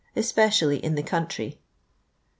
e^peiialiy in the country. .